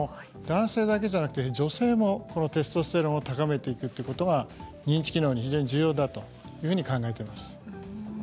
男性だけでなく女性もテストステロンを高めていくということが認知機能に非常に重要だと考えています。